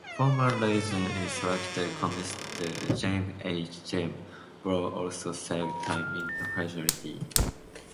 Former Louisiana Insurance Commissioner James H. "Jim" Brown also served time in the facility.